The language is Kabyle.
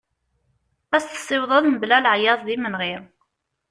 Ad as-tessiwḍeḍ mebla leɛyaḍ d yimenɣi.